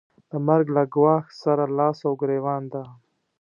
د مرګ له ګواښ سره لاس او ګرېوان ده.